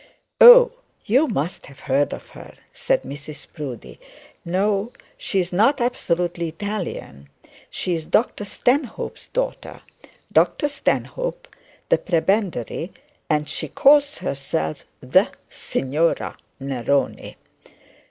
'Oh, you must have heard of her,' said Mrs Proudie. 'No, she's not absolutely Italian. She is Dr Stanhope's daughter Dr Stanhope the prebendary; and she calls herself the Signora Neroni.'